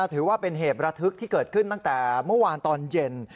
ถือว่าเป็นเหตุระทึกที่เกิดขึ้นตั้งแต่เมื่อวานตอนเย็น